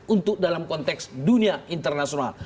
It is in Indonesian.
untuk dalam konteks dunia internasional